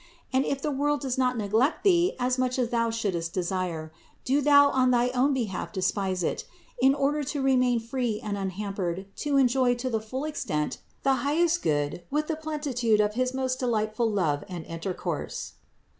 And if the world does not neglect thee as much as thou shouldst desire, do thou on thy own behalf despise it, in order to remain free and unhampered to enjoy to the full extent the highest Good with the plenitude of his most delightful love and intercourse.